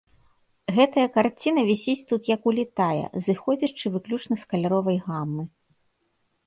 Гэтая карціна вісіць тут як улітая, зыходзячы выключна з каляровай гамы.